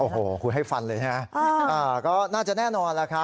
โอ้โหคุณให้ฟันเลยนะฮะอ่าก็น่าจะแน่นอนแหละครับ